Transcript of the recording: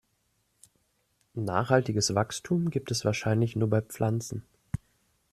Nachhaltiges Wachstum gibt es wahrscheinlich nur bei Pflanzen.